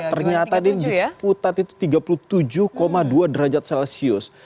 ternyata di seputar itu tiga puluh tujuh dua derajat celcius